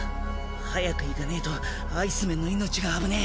早く行かねえとアイスメンの命が危ねえ。